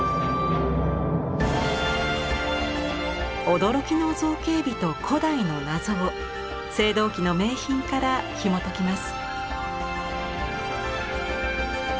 驚きの造形美と古代の謎を青銅器の名品からひもときます。